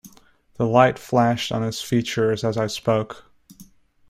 The light flashed on his features as I spoke.